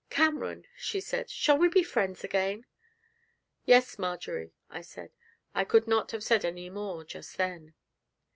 'Cameron,' she said, 'shall we be friends again?' 'Yes, Marjory,' I said; I could not have said any more just then.